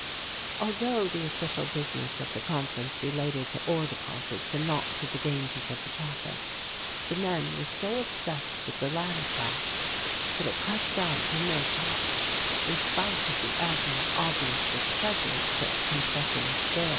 Although the official business of the conference related to ore deposits and not to the dangers of the traffic, the men were so obsessed with the latter fact, that it crept out in their talk in spite of the Admiral's obvious displeasure at such confession of fear.